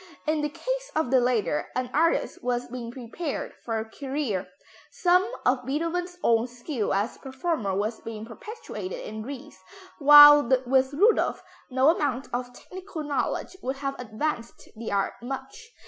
In the case of the latter an artist was being prepared for a career; some of Beethoven's own skill as performer was being perpetuated in Ries, while with Rudolph no amount of technical knowledge would have advanced the art much.